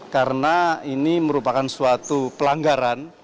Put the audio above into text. karena ini merupakan suatu pelanggaran